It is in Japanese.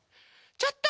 ちょっと！